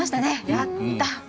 やった！